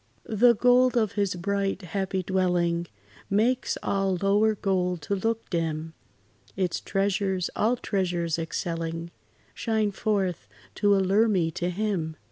The gold of his bright, happy dwelling Makes all lower gold to look dim; Its treasures, all treasures excelling, Shine forth to allure me to Him.